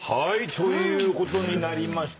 ということになりました。